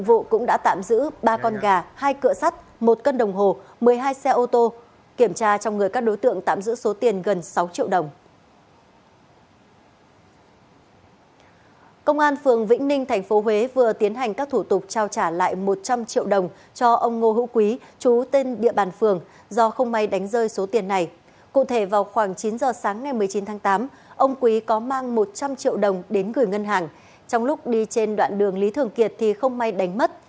vào khoảng chín giờ sáng ngày một mươi chín tháng tám ông quý có mang một trăm linh triệu đồng đến gửi ngân hàng trong lúc đi trên đoạn đường lý thường kiệt thì không may đánh mất